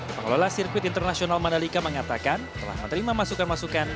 pengelola sirkuit internasional mandalika mengatakan telah menerima masukan masukan